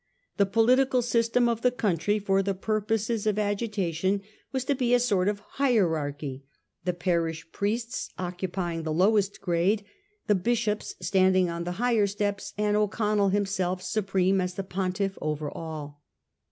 The political system of the country for the purposes of agitation was to be a sort 2S4 A HISTORY OF OUR OWN TIMES. CH. XIX. of hierarchy ; the parish priests occupying the lowest grade, the bishops standing on the higher steps, and O'Connell himself supreme as the pontiff over all.